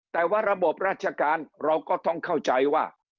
แต่ว่าระบบราชการเราก็ต้องเข้าใจว่า